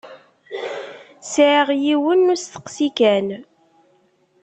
Sɛiɣ yiwen n usteqsi kan.